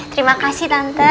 terima kasih tante